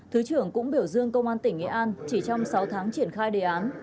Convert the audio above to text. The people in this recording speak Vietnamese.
thứ trưởng cũng biểu dương công an tỉnh nghệ an chỉ trong sáu tháng triển khai đề án